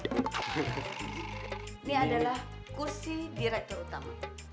ini adalah kursi direktur utama